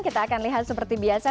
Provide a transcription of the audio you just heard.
kita akan lihat seperti biasa